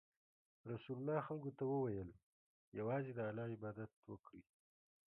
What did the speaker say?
رسول الله خلکو ته وویل: یوازې د الله عبادت وکړئ.